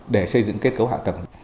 để xây dựng kết cấu hạ tầng